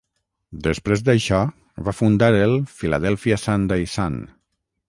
Després d'això, va fundar el "Philadelphia Sunday Sun".